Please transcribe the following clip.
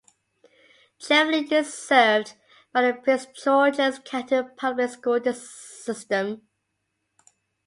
Cheverly is served by the Prince George's County Public Schools system.